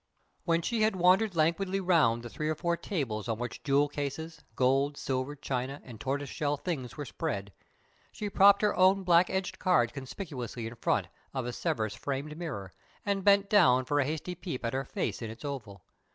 When she had wandered languidly round the three or four tables on which jewel cases, gold, silver, china, and tortoise shell things were spread, she propped her own black edged card conspicuously in front of a Sevres framed mirror, and bent down for a hasty peep at her face in its oval.